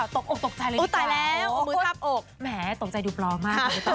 ตกอกตกใจเลยนะตกใจหลายตกใจดูปลอมมาก